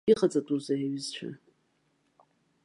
Иҟаҵатәузеи аҩызцәа?!